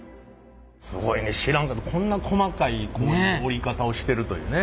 すごいね知らんかったこんな細かい織り方をしてるというね。